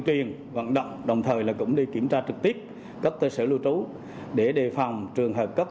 truyền vận động đồng thời là cũng đi kiểm tra trực tiếp các tơ sở lưu trú để đề phòng trường hợp các